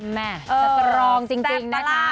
แม่สตรองจริงนะคะ